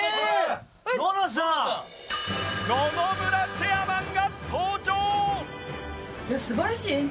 野々村チェアマンが登場！